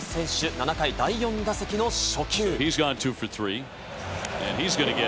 ７回、第４打席の初球。